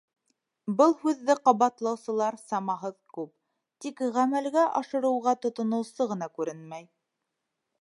Был һүҙҙе ҡабатлаусылар самаһыҙ күп, тик ғәмәлгә ашырыуға тотоноусы ғына күренмәй.